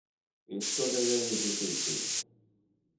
Isto deveni difficile.